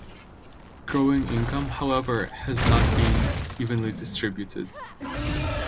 Growing income however, has not being evenly distributed.